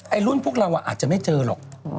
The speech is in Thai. รุ่นพวกเราอาจจะไม่เจอหรอก